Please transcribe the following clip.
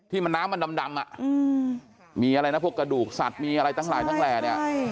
น้ำมันน้ำมันดำมีอะไรนะพวกกระดูกสัตว์มีอะไรทั้งหลายทั้งแหล่เนี่ย